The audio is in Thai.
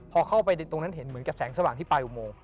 พอเข้าไปตรงนั้นเห็นเหมือนกับแสงสว่างที่ปลายอุโมง